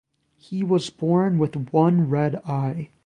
He was born with one red eye.